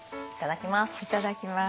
いただきます。